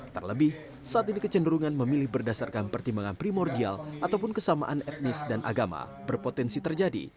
terlebih saat ini kecenderungan memilih berdasarkan pertimbangan primordial ataupun kesamaan etnis dan agama berpotensi terjadi